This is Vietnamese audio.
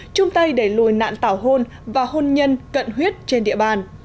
chung tay đẩy lùi nạn tảo hôn và hôn nhân cận huyết trên địa bàn